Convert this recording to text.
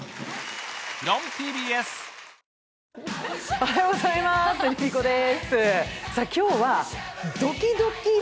おはようございます。